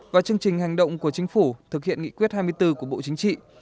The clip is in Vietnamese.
và chương trình hành động của chính phủ thực hiện nghị quyết hai mươi bốn của bộ chính trị